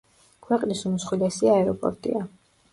ქვეყნის უმსხვილესი აეროპორტია.